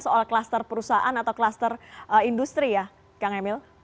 soal kluster perusahaan atau kluster industri ya kang emil